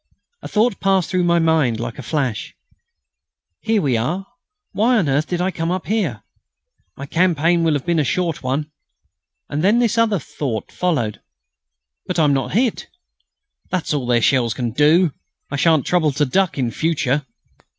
A thought passed through my mind like a flash: "Here we are! Why on earth did I come up here? My campaign will have been a short one!" And then this other thought followed: "But I'm not hit! That's all their shells can do! I shan't trouble to duck in future."